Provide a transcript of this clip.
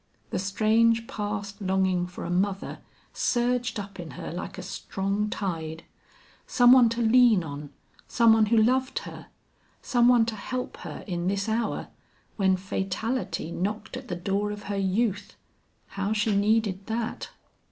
The strange past longing for a mother surged up in her like a strong tide. Some one to lean on, some one who loved her, some one to help her in this hour when fatality knocked at the door of her youth how she needed that!